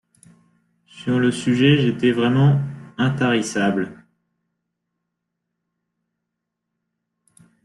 Sur le sujet, j’étais vraiment intarissable.